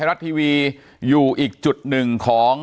อย่างที่บอกไปว่าเรายังยึดในเรื่องของข้อ